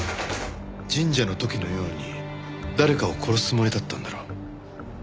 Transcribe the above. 神社の時のように誰かを殺すつもりだったんだろ。